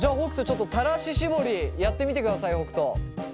ちょっと垂らし絞りやってみてください北斗。